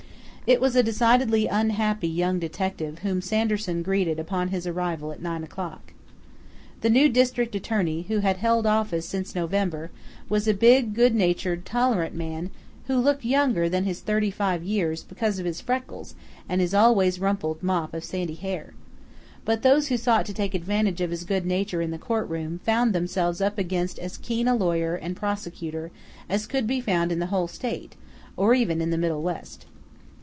It was a decidedly unhappy young detective whom Sanderson greeted upon his arrival at nine o'clock. The new district attorney, who had held office since November, was a big, good natured, tolerant man, who looked younger than his 35 years because of his freckles and his always rumpled mop of sandy hair. But those who sought to take advantage of his good nature in the courtroom found themselves up against as keen a lawyer and prosecutor as could be found in the whole state, or even in the Middle West.